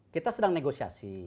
kita sedang negosiasi